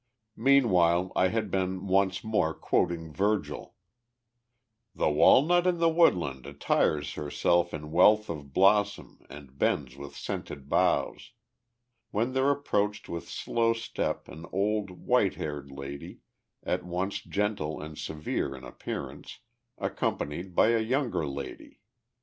Meanwhile, I had been once more quoting Virgil: "The walnut in the woodland attires herself in wealth of blossom and bends with scented boughs," when there approached with slow step an old, white haired lady, at once gentle and severe in appearance, accompanied by a younger lady.